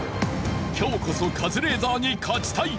今日こそカズレーザーに勝ちたい！